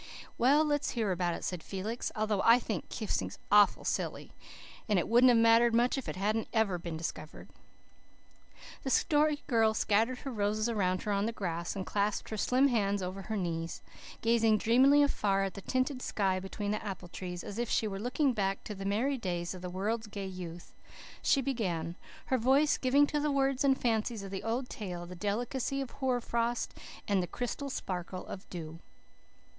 "Well, let's hear about it," said Felix, "although I think kissing's awful silly, and it wouldn't have mattered much if it hadn't ever been discovered." The Story Girl scattered her roses around her on the grass, and clasped her slim hands over her knees. Gazing dreamily afar at the tinted sky between the apple trees, as if she were looking back to the merry days of the world's gay youth, she began, her voice giving to the words and fancies of the old tale the delicacy of hoar frost and the crystal sparkle of dew.